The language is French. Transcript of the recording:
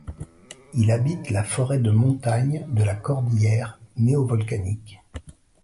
Il habite la forêt de montagne de la cordillère néovolcanique.